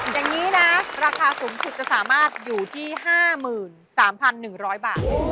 อย่างนี้นะราคาสูงสุดจะสามารถอยู่ที่๕๓๑๐๐บาท